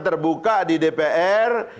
terbuka di dpr